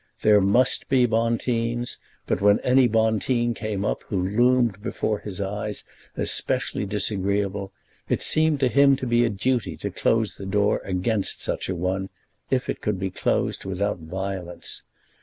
There must be Bonteens; but when any Bonteen came up, who loomed before his eyes as specially disagreeable, it seemed to him to be a duty to close the door against such a one, if it could be closed without violence.